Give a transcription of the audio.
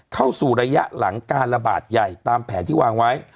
เข้าสู่ระยะหลังการระบาดใหญ่ตามแผนที่วางไว้